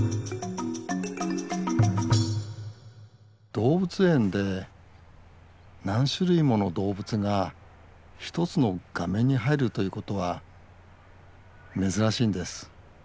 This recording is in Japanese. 動物園で何種類もの動物が一つの画面に入るということは珍しいんです。